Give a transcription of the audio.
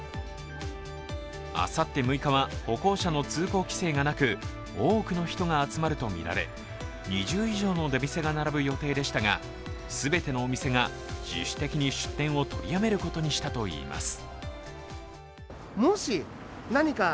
あさって６日は歩行者の通行規制がなく多くの人が集まるとみられ２０以上の出店が並ぶ予定でしたが全てのお店が自主的に出店を取りやめることにしたといいます。